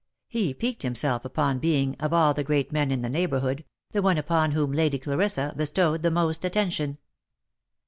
He piqued himself upon being, of all the great men in the neighbourhood, the one upon whom Lady Clarissa bestowed the most attention.